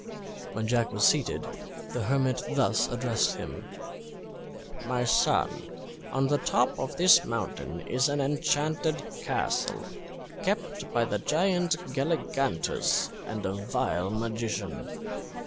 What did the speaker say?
When Jack was seated the hermit thus addressed him: "My son, on the top of this mountain is an enchanted castle, kept by the Giant Galligantus and a vile magician.